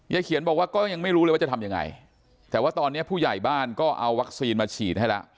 เขียนบอกว่าก็ยังไม่รู้เลยว่าจะทำยังไงแต่ว่าตอนนี้ผู้ใหญ่บ้านก็เอาวัคซีนมาฉีดให้แล้ว